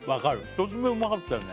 １つ目うまかったよね